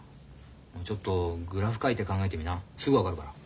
ちょっとグラフ書いて考えてみなすぐ分かるから。